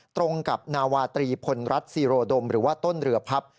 ตรงกับนาวาตรีพลรัฐซีโรดมหรือว่าต้นเรือพับ